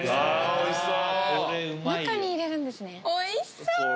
おいしそう！